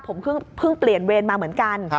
ผมเพิ่งเปลี่ยนเวรมาเหมือนกัน